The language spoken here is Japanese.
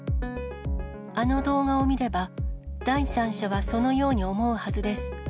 あの動画を見れば第三者はそのように思うはずです。